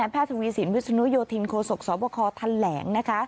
แพทย์ทวีสินวิศนุโยธินโคศกสบคทันแหลงนะคะ